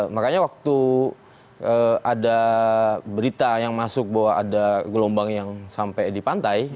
makanya waktu ada berita yang masuk bahwa ada gelombang yang sampai di pantai